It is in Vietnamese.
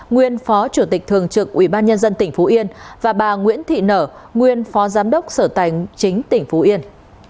nguyên phó chủ tịch thường trực ubnd tp yên và bà nguyễn thị nở nguyên phó giám đốc sở tài chính tp yên